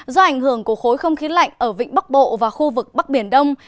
do ảnh hưởng của khối không khí lạnh ở vịnh bắc bộ và khu vực bắc biển đông